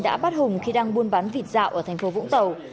đã bắt hùng khi đang buôn bán vịt dạo ở thành phố vũng tàu